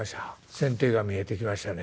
船底が見えてきましたね。